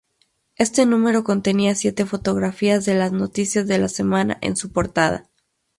Ese número contenía siete fotografías de las noticias de la semana en su portada.